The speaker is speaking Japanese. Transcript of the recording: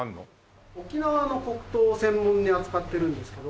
沖縄の黒糖を専門に扱ってるんですけど。